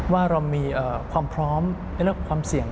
ว่าเรามีความพร้อมในเรื่องความเสี่ยง